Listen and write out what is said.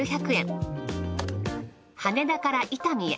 羽田から伊丹へ。